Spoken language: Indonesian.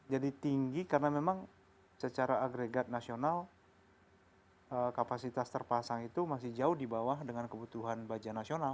jadi tinggi karena memang secara agregat nasional kapasitas terpasang itu masih jauh dibawah dengan kebutuhan baja nasional